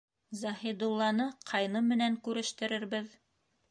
Заһидулланы ҡайны менән күрештерербеҙ.